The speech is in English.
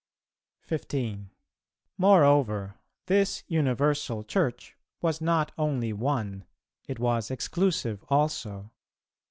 15. Moreover, this universal Church was not only one; it was exclusive also.